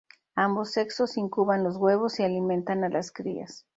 Ambos sexos incuban los huevos y alimentan a las crías.